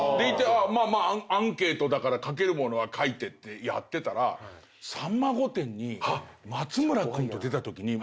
まあまあアンケートだから書けるものは書いてってやってたら『さんま御殿‼』に松村君と出たときに松村君そのころ超売れっ子。